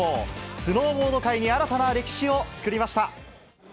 スノーボード界に新たな歴史を作りました。